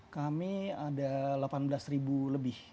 kami ada delapan belas ribu lebih